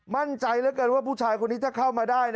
มั่นใจแล้วกันว่าผู้ชายคนนี้ถ้าเข้ามาได้